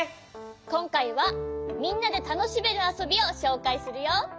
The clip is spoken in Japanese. こんかいはみんなでたのしめるあそびをしょうかいするよ。